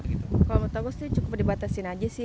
kalau menurut aku sih cukup dibatasin aja sih